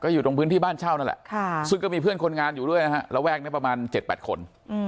อยู่ตรงพื้นที่บ้านเช่านั่นแหละซึ่งก็มีเพื่อนคนงานอยู่ด้วยนะฮะระแวกนี้ประมาณ๗๘คน